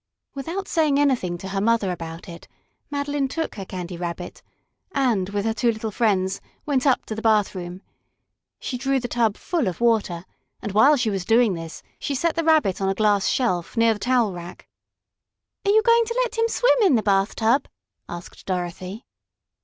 Without saying anything to her mother about it, Madeline took her Candy Rabbit, and, with her two little friends, went up to the bathroom. She drew the tub full of water, and while she was doing this she set the Rabbit on a glass shelf near the towel rack. "Are you going to let him swim in the bathtub?" asked Dorothy.